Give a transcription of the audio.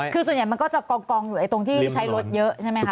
คือส่วนใหญ่มันก็จะกองอยู่ตรงที่ใช้รถเยอะใช่ไหมคะ